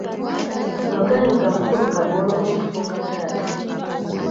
Yogaayoga mukulu Kagolo olw'okufuuka taata.